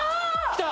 きた！